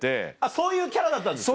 そういうキャラだったんですか？